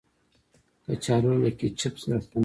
کچالو له کیچپ سره خوند کوي